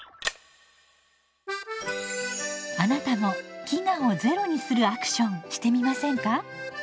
あなたも飢餓をゼロにするアクションしてみませんか？